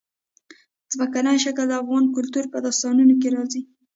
ځمکنی شکل د افغان کلتور په داستانونو کې ډېره راځي.